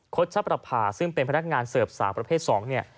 คตชปรภาซึ่งเป็นพนักงานเสริมสารประเภทสอง